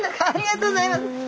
ありがとうございます。